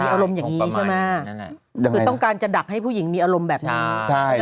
อารมณ์อย่างนี้ใช่ไหมคือต้องการจะดักให้ผู้หญิงมีอารมณ์แบบนี้ใช่